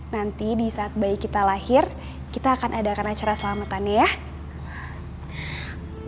nanti disaat bayi kita lahir kita akan adakan acara selamatannya ya